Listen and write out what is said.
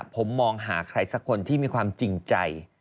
ผมมองหาใครสักคนที่มีความจริงใจ